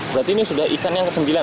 berarti ini sudah ikan yang ke sembilan